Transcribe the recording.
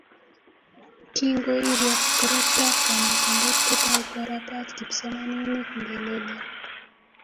Kingo iryok koroktap kanetindet kotou korapach kipsomaninik ngelelyo